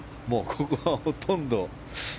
ここはほとんど。